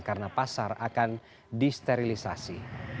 karena pasar akan disterilisasi